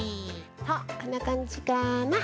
こんなかんじかな。